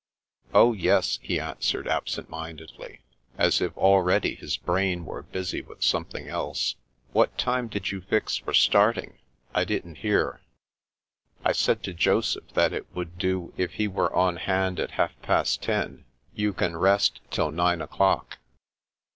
" Oh, yes," he answered absentmindedly, as if already his brain were busy with something else. " What time did you fix for starting? I didn't hear." " I said to Joseph that it would do if he were on hand at half past ten. You can rest till nine o'clock."